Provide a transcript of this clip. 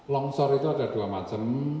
longsor itu ada dua macam